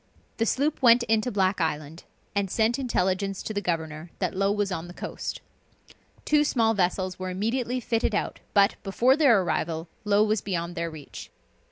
The sloop went into Black Island, and sent intelligence to the governor that Low was on the coast. Two small vessels were immediately fitted out, but, before their arrival, Low was beyond their reach.